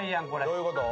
どういうこと？